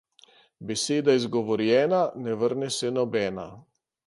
Beseda izgovorjena, ne vrne se nobena.